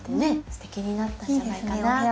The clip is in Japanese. すてきになったんじゃないかなって。